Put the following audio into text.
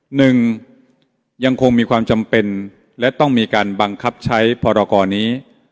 หนึ่งยังคงมีความจำเป็นและต้องมีการบังคับใช้พรกรนี้